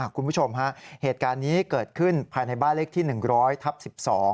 คุณผู้ชมฮะเหตุการณ์นี้เกิดขึ้นภายในบ้านเลขที่หนึ่งร้อยทับ๑๒